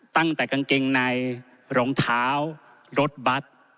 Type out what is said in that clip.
ตั้งแต่กางเกงในรองเท้ารถบัตร